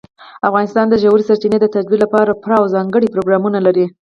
افغانستان د ژورې سرچینې د ترویج لپاره پوره او ځانګړي پروګرامونه لري.